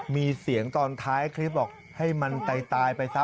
มีเสียงตอนท้ายคลิปบอกให้มันตายไปซะ